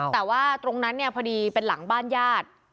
แต่ว่าตรงนั้นเนี่ยพอดีเป็นหลังบ้านญาติ